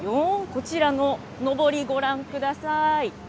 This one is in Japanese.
こちらののぼり、ご覧ください。